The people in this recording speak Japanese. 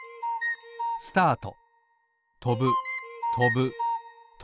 スタート！